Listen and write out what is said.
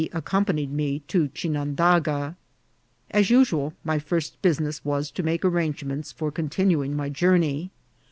accompa nied me to Chinandaga. As usual, my first business was to make arrange ments for continuing my journey.